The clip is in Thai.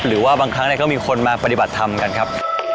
หรือว่าบางครั้งก็มีคนมาปฏิบัติธรรมกันครับ